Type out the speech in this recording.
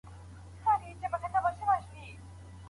که زده کوونکی له ناکامۍ وویریږي نو خطر نه مني.